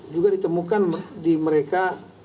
juga ditemukan di mereka